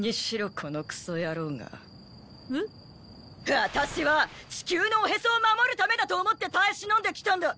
ワタシは地球のおへそを守るためだと思って耐え忍んできたんだ！